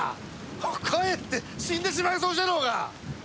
かえって死んでしまいそうじゃろうが！